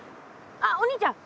あっお兄ちゃん